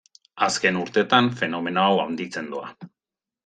Azken urtetan fenomeno hau handitzen doa.